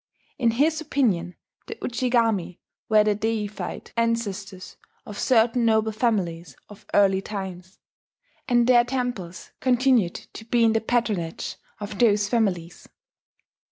In his opinion the Ujigami were the deified ancestors of certain noble families of early times; and their temples continued to be in the patronage of those families.